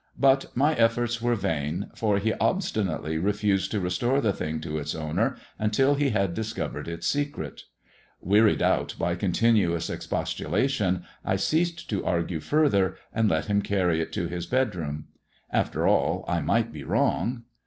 But my efforts were vain, for he obstinately refused to restore the thing to its owner until he had discovered its secret. Wearied out by continuous expostulation, I ceased to argue further, and let him carry it to his bedroom. After all, I might be wrong.